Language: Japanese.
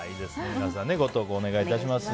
皆様ご投稿お願いします。